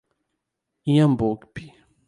Inhambupe